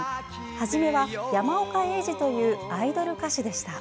初めは山岡英二というアイドル歌手でした。